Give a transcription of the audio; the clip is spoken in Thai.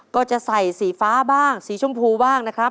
ก็จะใส่สีฟ้าบ้างสีชมพูบ้างนะครับ